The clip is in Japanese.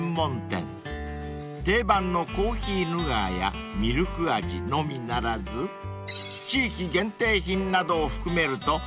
［定番のコーヒーヌガーやミルク味のみならず地域限定品などを含めると実は］